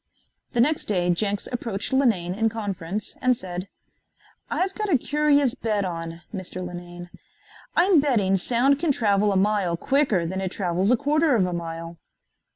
The next day Jenks approached Linane in conference and said: "I've got a curious bet on, Mr. Linane. I am betting sound can travel a mile quicker than it travels a quarter of a mile."